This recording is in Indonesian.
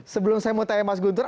sebelum saya mau tanya mas guntur